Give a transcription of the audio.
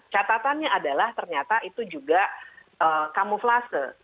catatannya adalah ternyata itu juga kamuflase